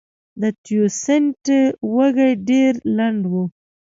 د تیوسینټ وږی ډېر لنډ و.